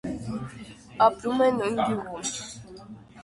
Ապրում է նույն գյուղում։